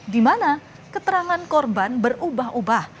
dimana keterangan korban berubah ubah